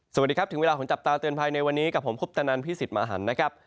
สวัสดีครับถึงเวลาของจับตาเตือนภัยในวันนี้กับผมคุปตนันพี่สิทธิ์มหันต์นะครับ